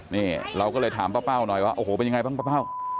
นี่เราก็เลยถามป้าเป้าหน่อยว่าโอ้โหเป็นยังไงบ้างป้าเป้า